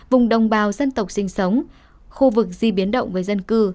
vùng đồng bào dân tộc sinh sống khu vực di biến động với dân cư